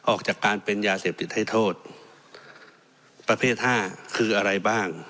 ออกจากการเป็นยาเสพติดให้โทษประเภทห้าคืออะไรบ้าง